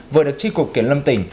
vừa được tri cục kiến lâm tỉnh